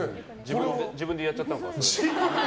自分でやっちゃったのか？